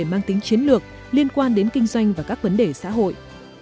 mang tính chiến lược liên quan đến kinh doanh và các vấn đề xã hội